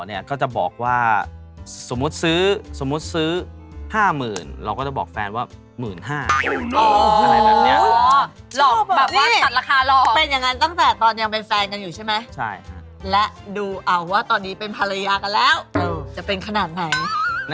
แล้วบอกราคาจริงหรือยังคะ